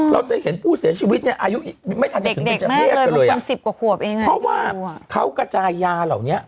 มันมีผู้เสียชีวิตอายุง่าย